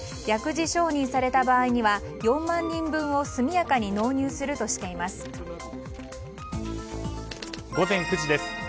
薬事承認された場合には４万人分を速やかに納入するとしています。